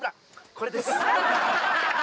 これです